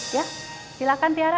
ya silahkan tiara